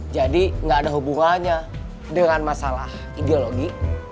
jadi enggak ada hubungannya dengan masalah ideologi